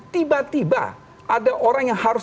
tiba tiba ada orang yang harus